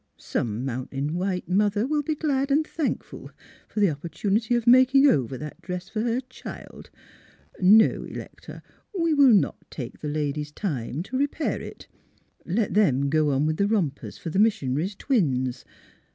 Some Mountain White mother will be glad an' thankful for the opportunity of making over that dress for her child. ... No, Electa, we will not take the ladies' time to repair it. Let them go on with the rompers for the missionary's twins.